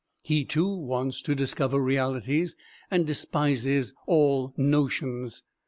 He, too, wants to discover realities, and despises all "notions."